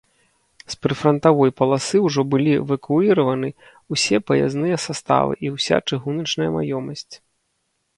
З прыфрантавой паласы ўжо былі эвакуіраваны ўсе паязныя саставы і ўся чыгуначная маёмасць.